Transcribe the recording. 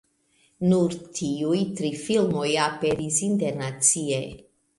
Nur tiuj tri filmoj aperis internacie.